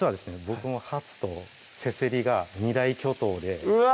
僕もハツとせせりが二大巨頭でうわ！